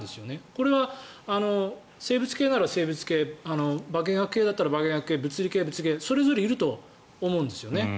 これは生物系なら生物系化学系だったら化学系物理系は物理系それぞれいると思うんです。